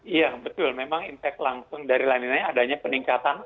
iya betul memang impact langsung dari laninanya adanya peningkatan